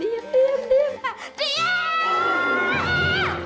diam doyan doyan